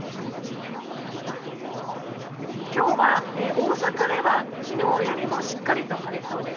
今日は大阪では昨日よりもしっかりと晴れそうです。